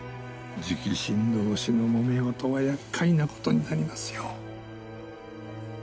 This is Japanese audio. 直臣同士のもめ事は厄介な事になりますよ。